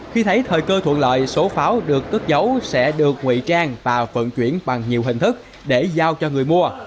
khi thấy thời cơ thuận lợi số pháo được cất giấu sẽ được nguy trang và vận chuyển bằng nhiều hình thức để giao cho người mua